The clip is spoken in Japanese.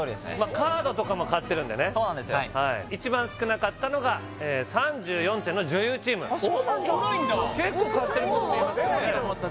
カードとかも買ってるんでねそうなんですよ一番少なかったのが３４点の女優チームあっそうなんだ？